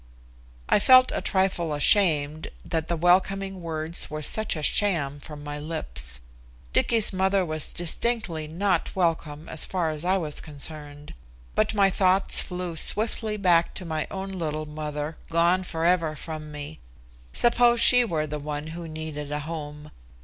I felt a trifle ashamed that the welcoming words were such a sham from my lips. Dicky's mother was distinctly not welcome as far as I was concerned. But my thoughts flew swiftly back to my own little mother, gone forever from me. Suppose she were the one who needed a home?